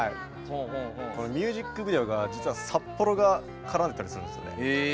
ミュージックビデオが実は札幌が絡んでたりするんですよね。